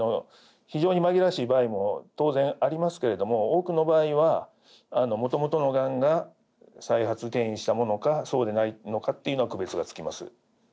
非常に紛らわしい場合も当然ありますけれども多くの場合はもともとのがんが再発転移したものかそうでないのかっていうのは区別がつきます。